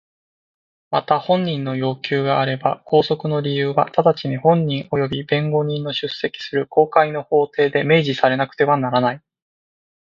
また本人の要求があれば拘束の理由は直ちに本人および弁護人の出席する公開の法廷で明示されなくてはならない。